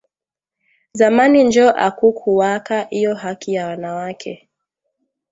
Zamani njo akukuwaka iyo haki ya wanawake